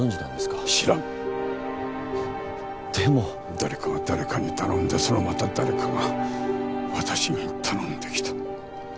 誰かが誰かに頼んでそのまた誰かが私に頼んできた。